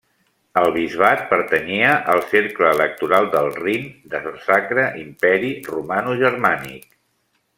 El bisbat pertanyia al Cercle Electoral del Rin de Sacre Imperi Romanogermànic.